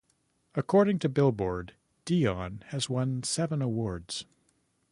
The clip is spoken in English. According to "Billboard", Dion has won seven awards.